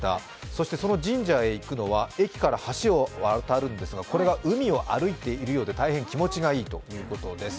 そしてその神社へ行くのは駅から橋を渡るんですがこれが海を歩いているようで大変気持ちがいいということです。